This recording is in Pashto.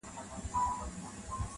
له رباب څخه به هېر نوم د اجل وي -